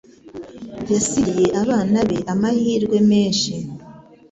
Yasigiye abana be amahirwe menshi.